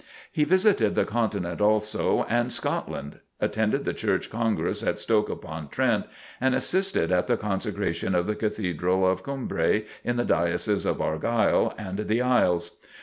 He visited the continent also and Scotland; attended the Church Congress at Stoke upon Trent; and assisted at the Consecration of the Cathedral of Cumbrae, in the Diocese of Argyle and the Isles.